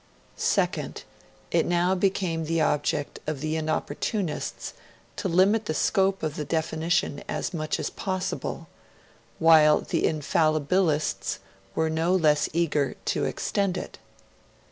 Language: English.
(2) It now became the object of the Inopportunists to limit the scope of the definition as much as possible, while the Infallibilists were no less eager to extend it.